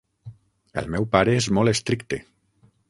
El meu pare és molt estricte.